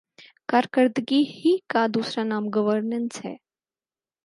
کارکردگی ہی کا دوسرا نام گورننس ہے۔